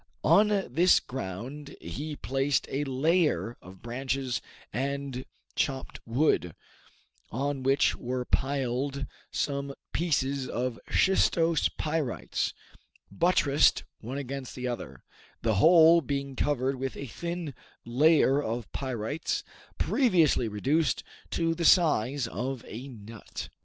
On this ground he placed a layer of branches and chopped wood, on which were piled some pieces of shistose pyrites, buttressed one against the other, the whole being covered with a thin layer of pyrites, previously reduced to the size of a nut.